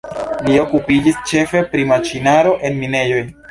Li okupiĝis ĉefe pri maŝinaro en minejoj.